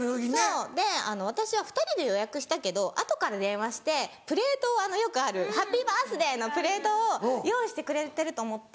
そう私は２人で予約したけど後から電話してプレートをよくあるハッピーバースデーのプレートを用意してくれてると思って。